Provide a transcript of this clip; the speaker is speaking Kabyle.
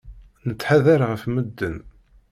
Nettḥadar ɣef medden.